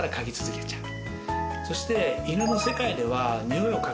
そして。